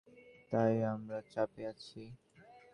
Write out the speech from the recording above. তাই আমরা চাপে আছি।